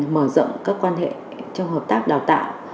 mở rộng các quan hệ trong hợp tác đào tạo